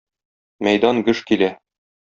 Мәйдан гөж килә.